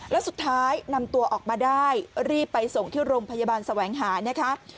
แล้วสุดท้ายนำตัวออกมาได้รีบไปส่งที่โรงพยาบาลแสวงหานะคะ